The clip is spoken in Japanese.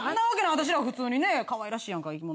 私ら普通にねかわいらしいやんか生き物。